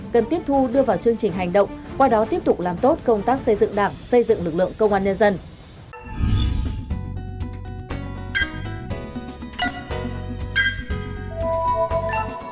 cần tiếp thu đưa vào chương trình hành động qua đó tiếp tục làm tốt công tác xây dựng đảng xây dựng lực lượng công an nhân dân